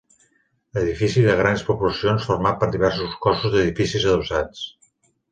Edifici de grans proporcions format per diversos cossos d'edificis adossats.